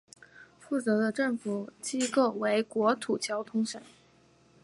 负责的政府机构为国土交通省。